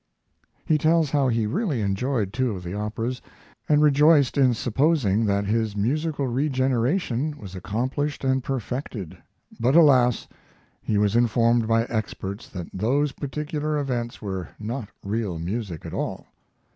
He tells how he really enjoyed two of the operas, and rejoiced in supposing that his musical regeneration was accomplished and perfected; but alas! he was informed by experts that those particular events were not real music at all.